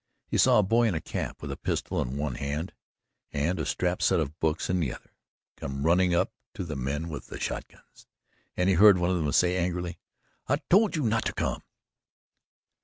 He saw a boy in a cap, with a pistol in one hand and a strapped set of books in the other, come running up to the men with the shotguns and he heard one of them say angrily: "I told you not to come."